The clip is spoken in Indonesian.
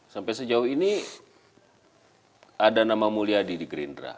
sampai sejauh ini ada nama mulyadi di gerindra